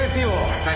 はい。